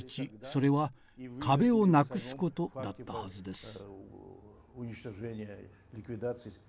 それは壁をなくすことだったはずです。